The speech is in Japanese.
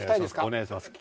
お願いします